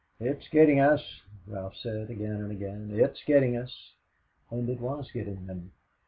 "It's getting us," Ralph said, again and again. "It's getting us." And it was getting them.